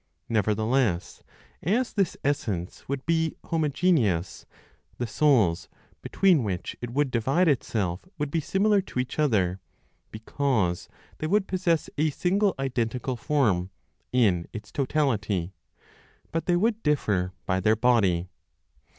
Nevertheless, as this essence would be homogeneous, the souls (between which it would divide itself) would be similar to each other, because they would possess a single identical form in its totality, but they would differ by their body.